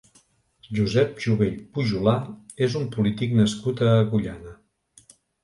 Josep Jovell Pujolà és un polític nascut a Agullana.